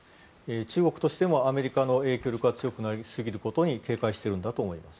中国としてもアメリカの影響力が強くなりすぎることに警戒しているんだと思います。